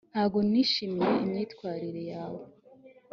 ntabwo nishimiye imyitwarire yawe